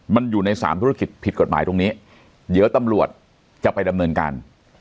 มันอยู่ในสามธุรกิจผิดกฎหมายตรงนี้เดี๋ยวตำรวจจะไปดำเนินการ